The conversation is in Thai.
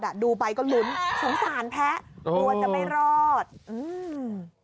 รอดอ่ะดูไปก็หลุนสงสารแพ้โอ้โหว่าจะไม่รอดอืม